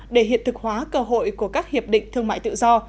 để hiện thực hóa cơ hội của các hiệp định thương mại tự do